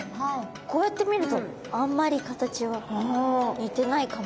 こうやって見るとあんまり形は似てないかも？